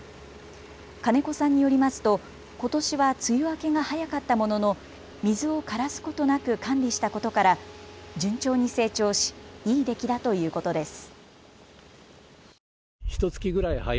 金子さんによりますとことしは梅雨明けが早かったものの水を枯らすことなく管理したことから順調に成長しいい出来だということです。